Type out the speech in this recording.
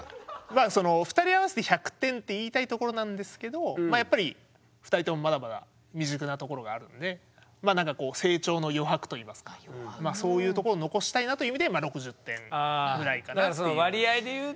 まあその２人合わせて１００点って言いたいところなんですけどまあやっぱり２人ともまだまだ未熟なところがあるのでなんかこう成長の余白といいますかそういうとこを残したいなという意味で６０点ぐらいかなっていう。